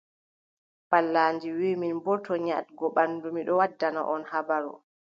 Pallandi wii, min boo, to nyaaɗgo ɓanndu, mi ɗon waddana on habaru.